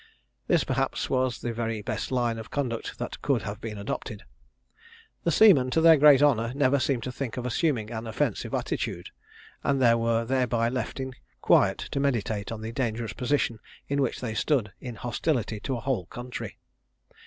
This, perhaps, was the very best line of conduct that could have been adopted. The seamen, to their great honour, never seemed to think of assuming an offensive attitude, and were thereby left in quiet to meditate on the dangerous position in which they stood in hostility to a whole country.